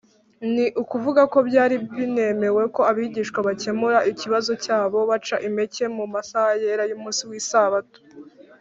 ni ukuvuga ko byari binemewe ko abigishwa bakemura ikibazo cyabo baca impeke mu masaha yera y’umunsi w’isabato